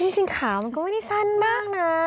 จริงขาวมันก็ไม่ได้สั้นมากนะ